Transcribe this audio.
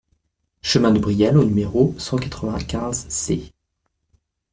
Chemin de Brial au numéro cent quatre-vingt-quinze C